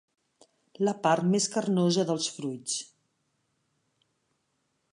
La part més carnosa dels fruits.